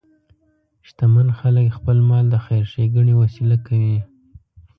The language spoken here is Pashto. شتمن خلک خپل مال د خیر ښیګڼې وسیله کوي.